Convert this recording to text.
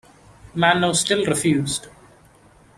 Manno still refused.